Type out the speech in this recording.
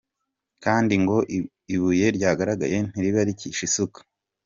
Kandi ngo ibuye ryagaragaye ntiriba ricyishe isuka….”